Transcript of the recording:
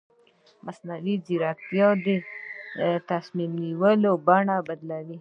مصنوعي ځیرکتیا د تصمیم نیونې بڼه بدلوي.